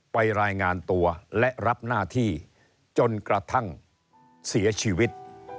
รายงานตัวและรับหน้าที่จนกระทั่งเสียชีวิต